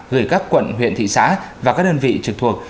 gửi các quận huyện thị xã và các đơn vị trực thuộc